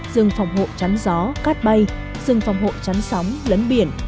rừng phòng hộ chắn gió cát bay rừng phòng hộ chắn sóng lấn biển